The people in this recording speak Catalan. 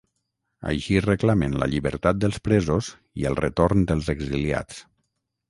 Així reclamen la llibertat dels presos i el retorn dels exiliats.